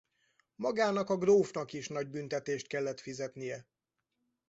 Magának a grófnak is nagy büntetést kellett fizetnie.